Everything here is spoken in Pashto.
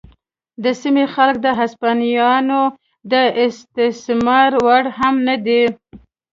د سیمې خلک د هسپانویانو د استثمار وړ هم نه وو.